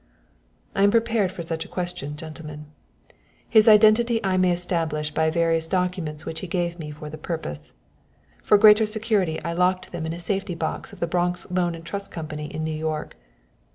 "I am prepared for such a question, gentlemen. His identity I may establish by various documents which he gave me for the purpose. For greater security I locked them in a safety box of the Bronx Loan and Trust Company in New York.